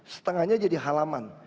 setengahnya jadi halaman